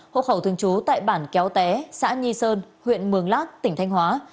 hộ khẩu thương chú tại bản kéo té xã nhi sơn huyện mường lát tỉnh thanh hóa